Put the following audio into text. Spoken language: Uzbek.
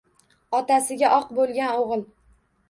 Otasiga oq boʼlgan oʼgʼil.